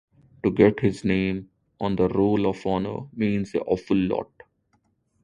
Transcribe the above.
To get his name on the roll of honour means an awful lot.